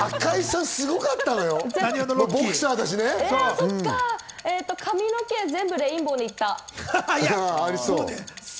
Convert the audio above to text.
そうか、髪の毛全部レインボーで行った。